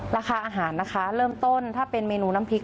ราคาอาหารนะคะเริ่มต้นถ้าเป็นเมนูน้ำพริก